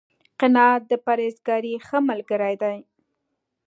قناعت، د پرهېزکارۍ ښه ملګری دی